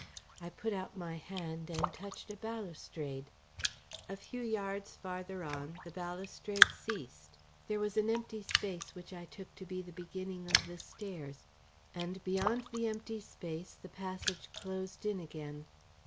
I put out my hand and touched a balustrade. A few yards farther on the balustrade ceased; there was an empty space which I took to be the beginning of the stairs, and beyond the empty space the passage closed in again.